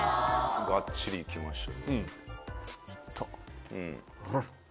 がっちりいきました。